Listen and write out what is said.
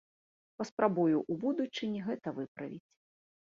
Паспрабую ў будучыні гэта выправіць.